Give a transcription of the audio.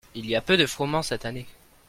Il y a peu de froment cette année.